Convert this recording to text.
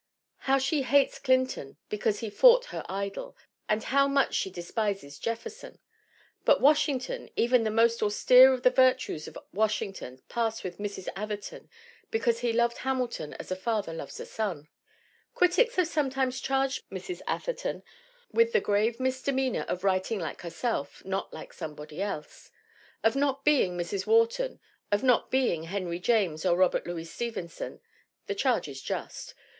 How she hates Clin ton because he fought her idol, and how much she 44 THE WOMEN WHO MAKE OUR NOVELS despises Jefferson! But Washington even the most austere of the virtues of Washington pass with Mrs. Atherton, because he loved Hamilton as a father loves a son. ... "Critics have sometimes charged Mrs. Atherton with the grave misdemeanor of writing like herself, not like somebody else; of not being Mrs. Wharton, of not being Henry James or Robert Louis Stevenson. The charge is just.